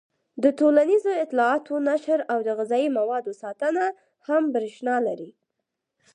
د ټولنیزو اطلاعاتو نشر او د غذايي موادو ساتنه هم برېښنا لري.